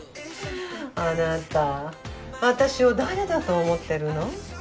あなた私を誰だと思ってるの？